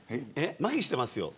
まひしてますよ。